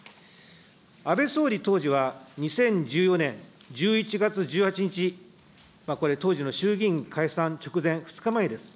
安倍総理当時は２０１４年１１月１８日、これ、当時の衆議院解散直前２日前です。